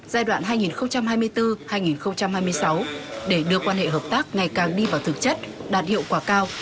giai đoạn hai nghìn hai mươi bốn hai nghìn hai mươi sáu để đưa quan hệ hợp tác ngày càng đi vào thực chất đạt hiệu quả cao